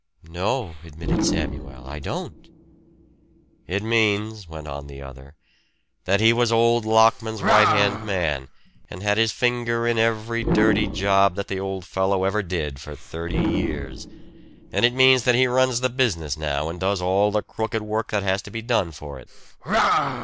"No," admitted Samuel, "I don't." "It means," went on the other, "that he was old Lockman's right hand man, and had his finger in every dirty job that the old fellow ever did for thirty years. And it means that he runs the business now, and does all the crooked work that has to be done for it."